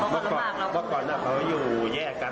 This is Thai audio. เพราะว่าก่อนนี้พวกเขามันอยู่แยกกัน